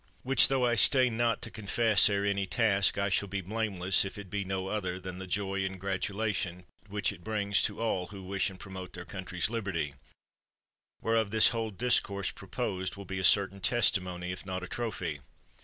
Which tho I stay not to confess ere any ask, I shall be blameless, if it be no other than the joy and gratulation which it brings to all who wish and promote their country's liberty; where of this whole discourse proposed will be a certain testimony, if not a trophy.